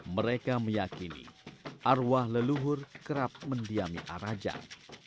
mereka meyakini arwah leluhur kerap mendiami arajat